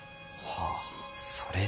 ああそれで。